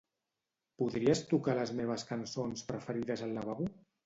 Podries tocar les meves cançons preferides al lavabo?